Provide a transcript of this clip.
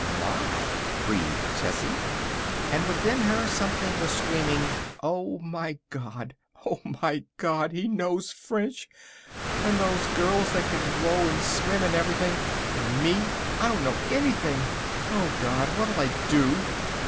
"My!" breathed Tessie. And within her something was screaming: Oh, my God! Oh, my God! He knows French. And those girls that can row and swim and everything. And me, I don't know anything. Oh, God, what'll I do?